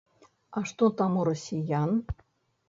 А што там у расіян?